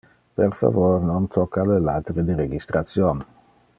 Per favor, non tocca le latere de registration.